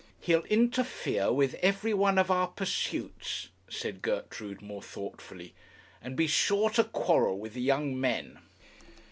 'He'll interfere with every one of our pursuits,' said Gertrude, more thoughtfully, 'and be sure to quarrel with the young men.'